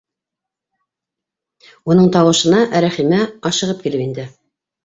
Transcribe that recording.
Уның тауышына Рәхимә ашығып килеп инде.